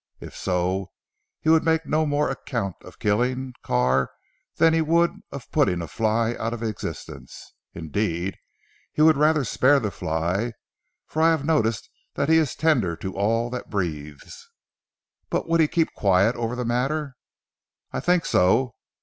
If so, he would make no more account of killing Carr than he would of putting a fly out of existence. Indeed he would rather spare the fly, for I have noticed that he is tender to all that breathes." "But would he keep quiet over the matter?" "I think so.